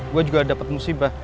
gue juga dapet musibah